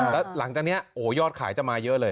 แล้วหลังจากนี้โอ้โหยอดขายจะมาเยอะเลย